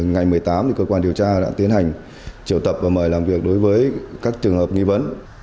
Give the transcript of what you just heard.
ngày một mươi tám cơ quan điều tra đã tiến hành triệu tập và mời làm việc đối với các trường hợp nghi vấn